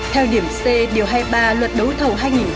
theo điểm c hai mươi ba luật đấu thầu hai nghìn hai mươi ba